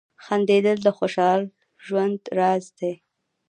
• خندېدل د خوشال ژوند راز دی.